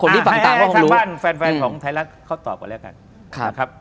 แม้ถ้าว่าแฟนของไทยรัฐเขาต่อก่อนแล้วกัน